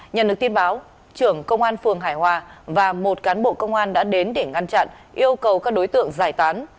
nhận được tin báo trưởng công an phường hải hòa và một cán bộ công an đã đến để ngăn chặn yêu cầu các đối tượng giải tán